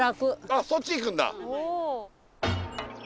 あっそっち行くんだ？